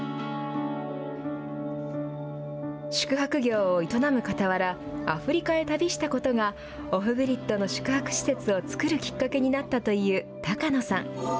宿泊業を営むかたわら、アフリカへ旅したことがオフグリッドの宿泊施設を作るきっかけになったという高野さん。